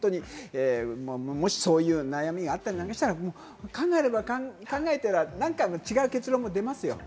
もしそういう悩みがあったりなんかしたら考えれば、何か違う結論も出ますよ。